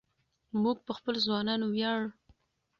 موږ په خپلو ځوانانو ویاړو.